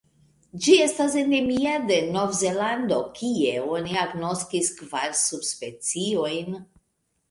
Ĝi estas endemia de Novzelando, kie oni agnoskis kvar subspeciojn.